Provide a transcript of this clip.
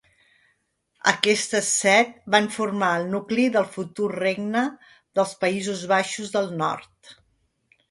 Aquestes set van formar el nucli del futur regne dels Països Baixos del nord.